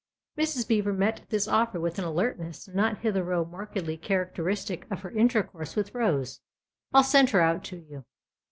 Mrs. Beever met this offer with an alertness not hitherto markedly characteristic of her intercourse with Rose. " I'll send her out to you."